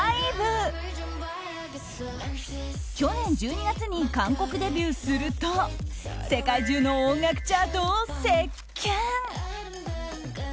去年１２月に韓国デビューすると世界中の音楽チャートを席巻。